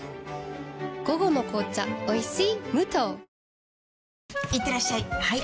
午後の紅茶おいしい